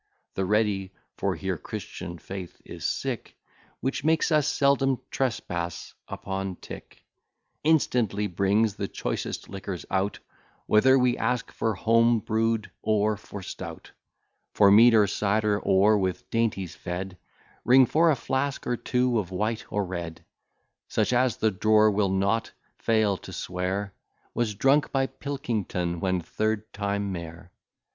The ready (for here Christian faith is sick, Which makes us seldom trespass upon tick) Instantly brings the choicest liquors out, Whether we ask for home brew'd or for stout, For mead or cider, or, with dainties fed, Ring for a flask or two of white or red, Such as the drawer will not fail to swear Was drunk by Pilkingtonwhen third time mayor.